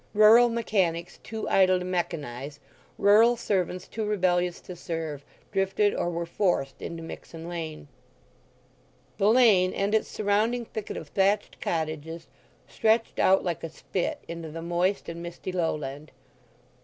Rural mechanics too idle to mechanize, rural servants too rebellious to serve, drifted or were forced into Mixen Lane. The lane and its surrounding thicket of thatched cottages stretched out like a spit into the moist and misty lowland.